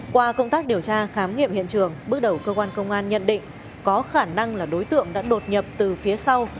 qua công tác điều tra khám nghiệm hiện trường bước đầu cơ quan công an nhận định có khả năng là đối tượng đã đột nhập từ phía sau